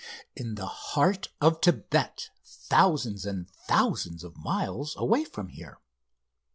"In the heart of Thibet, thousands and thousands of miles away from here.